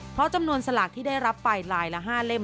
เพราะจำนวนสลากที่ได้รับไปลายละ๕เล่ม